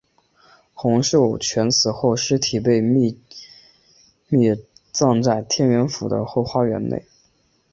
洪秀全死后尸体被秘密葬在天王府的后花园内。